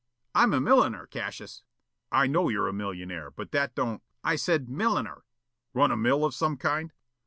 I'm a milliner, Cassius." "I know you're a millionaire, but that don't, " "I said milliner." "Run a mill of some kind?"